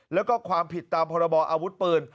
แล้วก็ความผิดตามพรบออาวุธปืน